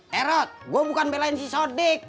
herot gua bukan belain si sodi